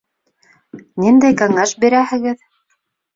Ниндәй кәңәш бирәһегеҙ?